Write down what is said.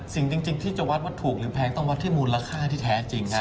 จริงที่จะวัดว่าถูกหรือแพงต้องวัดที่มูลค่าที่แท้จริงฮะ